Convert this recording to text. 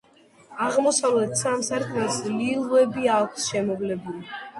აღმოსავლეთ სამ სარკმელს ლილვები აქვს შემოვლებული.